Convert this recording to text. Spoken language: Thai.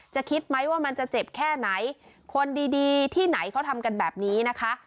คิดไหมว่ามันจะเจ็บแค่ไหนคนดีดีที่ไหนเขาทำกันแบบนี้นะคะ